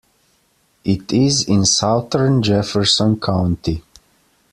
It is in southern Jefferson County.